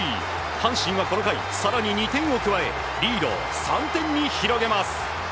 阪神はこの回、更に２点を加えリードを３点に広げます。